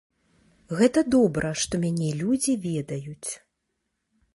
Гэта добра, што мяне людзі ведаюць.